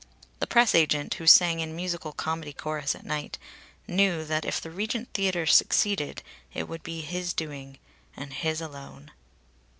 The press agent, who sang in musical comedy chorus at night, knew that if the Regent Theatre succeeded, it would be his doing and his alone.